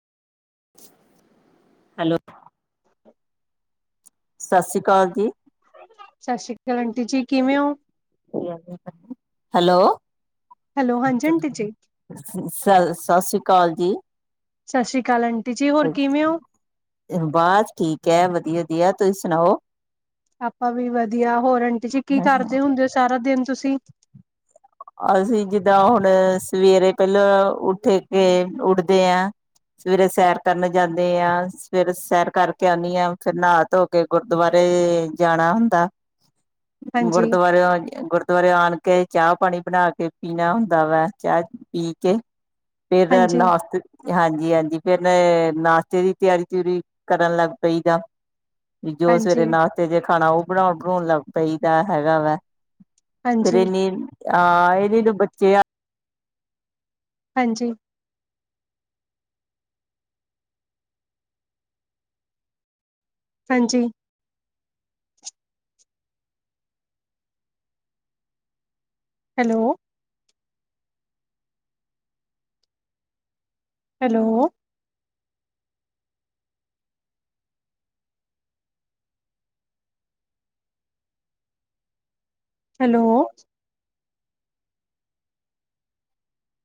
Hello [unintelligible] ਸਾਸ ਸ਼੍ਰੀ ਕਾਲ ਜੀ। ਸਤਿ ਸ੍ਰੀ ਕਾਲ ਆਂਟੀ ਜੀ ਕਿਵੇਂ ਓ? ਹੈਲੋ ਹੈਲੋ ਹਾਂਜੀ ਆਂਟੀ ਜੀ। ਸ ਸ ਸਾਸ ਸ੍ਰੀ ਕਾਲ ਜੀ। ਸਤਿ ਸ੍ਰੀ ਅਕਾਲ ਆਂਟੀ ਜੀ ਹੋਰ ਕਿਵੇਂ ਓ? ਬਾਸ ਠੀਕ ਐ ਵਧੀਆਂ-ਵਧੀਆਂ ਤੁਸੀਂ ਸੁਣਾਓ? ਆਪਾਂ ਵੀ ਵਧੀਆ ਹੋਰ ਆਂਟੀ ਜੀ ਕੀ ਕਰਦੇ ਹੁੰਦੇ ਓ ਸਾਰਾ ਦਿਨ ਤੁਸੀਂ ਅਸੀਂ ਜਿੱਦਾਂ ਹੁਣ ਸਵੇਰੇ ਪੈਲਾਂ ਉੱਠ ਕੇ ਉੱਠਦੇ ਐ ਸਵੇਰੇ ਸੈਰ ਕਰਨ ਜਾਣੇ ਆਂ ਸਵੇਰੇ ਸੈਰ ਕਾਰਕੇ ਆਣੀ ਆਂ ਫਿਰ ਨਾਅ-ਧੋ ਕੇ ਕੇ ਗੁਰਦੁਆਰੇ ਜਾਣਾਂ ਹੁੰਦਾਂ। ਹਾਂਜੀ, ਗੁਰਦੁਆਰੇ ਗੁਰਦੁਆਰੇ ਆਣ ਕੇ ਚਾਹ-ਪਾਨੀ ਬਣਾ ਕੇ ਪੀਨਾ ਹੁੰਦਾਂ ਵੈ ਚਾਹ-ਚੂ ਪੀ ਕੇ ਫ਼ੇਰ ਹਾਂਜੀ, ਨਾਸ਼ਤੇ ਹਾਂਜੀ-ਹਾਂਜੀ ਫੇਰ ਨਾਸ਼ਤੇ ਦੀ ਤਿਆਰੀ-ਤੂਰੀ ਕਰਨ ਲੱਗ ਪਈ ਦਾ। ਵੀ ਜੋ ਹਾਂਜੀ, ਸਵੇਰੇ ਨਾਸ਼ਤੇ ਜੇ ਖਾਣਾ ਓ ਬਣਾਣ-ਬਣਉਣ ਲੱਗ ਪਈ ਦਾ ਹੈਗਾ ਵਾ। ਫੇਰ ਹਾਂਜੀ, ਏਨੀ ਆਹ ਏਦੀ ਦੋ ਬੱਚੇ ਆ ਹਾਂਜੀ ਹਾਂਜੀ। Hello hello. ਹੈਲੋ।